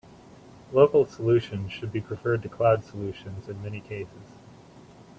Local solutions should be preferred to cloud solutions in many cases.